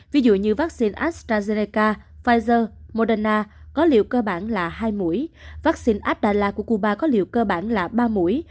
ví dụ như vaccine astrazeneca pfizer moderna có liều cơ bản là hai mũi vaccine adela của cuba có liều cơ bản là ba mũi